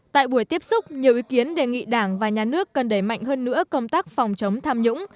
tại buổi tiếp xúc nhiều ý kiến đề nghị đảng và nhà nước cần đẩy mạnh hơn nữa công tác phòng chống tham nhũng